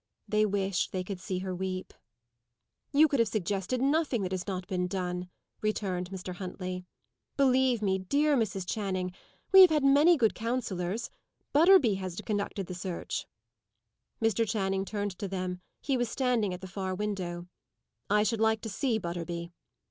They wished they could see her weep. "You could have suggested nothing that has not been done," returned Mr. Huntley. "Believe me, dear Mrs. Channing! We have had many good counsellors. Butterby has conducted the search." Mr. Channing turned to them. He was standing at the far window. "I should like to see Butterby."